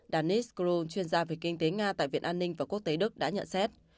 danis khrun chuyên gia về kinh tế nga tại viện an ninh và quốc tế đức đã nhận xét